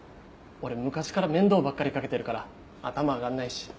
俺昔から面倒ばっかりかけてるから頭上がんないし。